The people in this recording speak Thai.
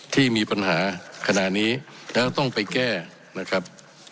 ที่มีปัญหาขณะนี้แล้วต้องไปแก้นะครับ